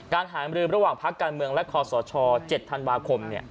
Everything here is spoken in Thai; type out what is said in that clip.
การหารืมระหว่างพักการเมืองและขอสอชอว์๗ธันวาคม